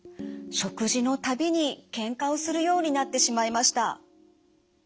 食事の度にけんかをするようになってしまいました。